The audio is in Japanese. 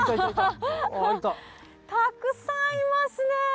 たくさんいますね。